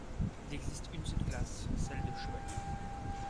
Il existe une seule classe, celle de chevalier.